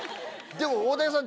でも大竹さん